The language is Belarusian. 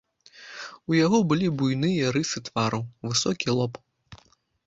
У яго былі буйныя рысы твару, высокі лоб.